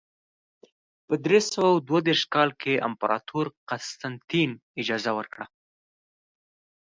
په درې سوه دوه دېرش کال کې امپراتور قسطنطین اجازه ورکړه.